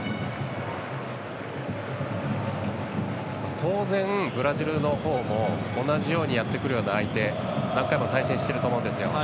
当然、ブラジルのほうも同じようにやってくるような相手何回も対戦してると思うんですよ